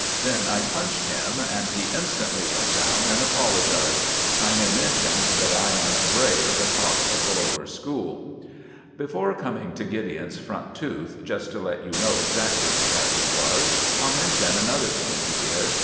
Then I punched him, and he instantly went down and apologized. I may mention that I am Bray, the cock of the Lower School. Before coming to Gideon's front tooth, just to let you know exactly the chap he was, I'll mention another thing he did.